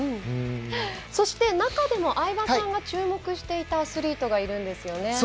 そして、中でも相葉さんが注目していたアスリートがいるんですよね。